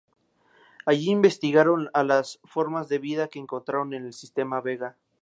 Allí investigaron a las formas de vida que encontraron en el sistema Vega.